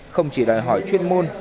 không chỉ đòi hỏi chuyên môn